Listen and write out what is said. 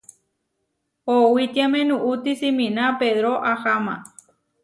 Owítiame nuúti siminá Pedró aháma.